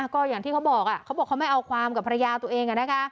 ก็อย่างที่เขาบอกไม่เอาความกับภรรยาตัวเอง